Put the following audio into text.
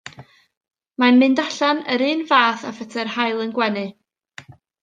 Mae'n mynd allan yr un fath â phetai'r haul yn gwenu.